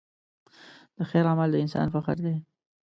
د خیر عمل د انسان فخر دی.